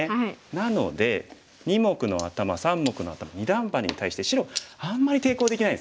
なので二目のアタマ三目のアタマ二段バネに対して白あんまり抵抗できないですよね。